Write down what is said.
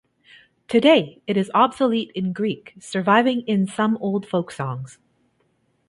Today it is obsolete in Greek, surviving in some old folk songs.